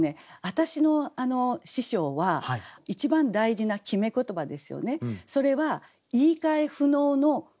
私の師匠は一番大事な決め言葉ですよね。